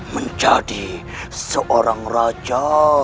menjadi seorang raja